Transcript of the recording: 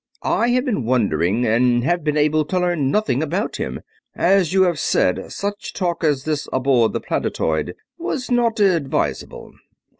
I have been wondering, and have been able to learn nothing about him; as you have said, such talk as this aboard the planetoid was not advisable."